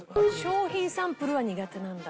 商品サンプルは苦手なんだ私。